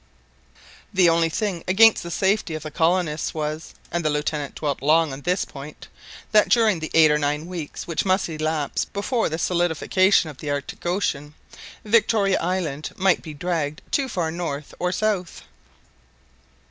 The only thing against the safety of the colonists was—and the Lieutenant dwelt long on this point—that during the eight or nine weeks which must elapse before the solidification of the Arctic Ocean, Victoria Island might be dragged too far north or south.